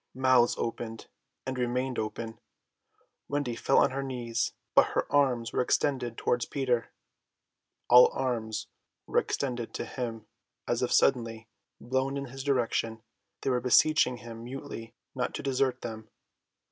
Mouths opened and remained open. Wendy fell on her knees, but her arms were extended toward Peter. All arms were extended to him, as if suddenly blown in his direction; they were beseeching him mutely not to desert them.